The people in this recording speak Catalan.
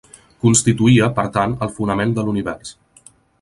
Constituïa, per tant, el fonament de l'univers.